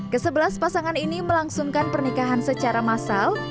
kesebelas pasangan ini melangsungkan pernikahan secara massal